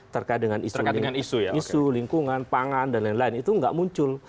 terkait dengan isu lingkungan pangan dan lain lain itu nggak muncul